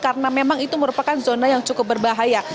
karena memang itu merupakan zona yang cukup berbahaya